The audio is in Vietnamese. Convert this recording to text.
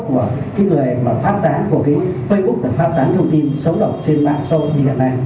của cái người mà phát tán của cái facebook phát tán thông tin xấu độc trên mạng show như hiện nay